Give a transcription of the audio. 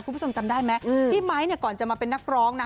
คุณผู้ชมจำได้ไหมพี่ไมค์เนี่ยก่อนจะมาเป็นนักร้องนะ